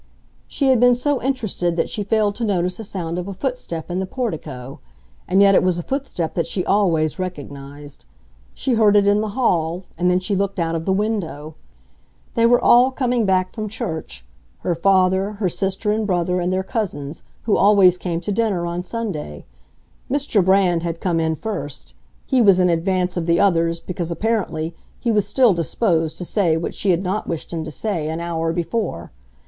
She had been so interested that she failed to notice the sound of a footstep in the portico; and yet it was a footstep that she always recognized. She heard it in the hall, and then she looked out of the window. They were all coming back from church—her father, her sister and brother, and their cousins, who always came to dinner on Sunday. Mr. Brand had come in first; he was in advance of the others, because, apparently, he was still disposed to say what she had not wished him to say an hour before.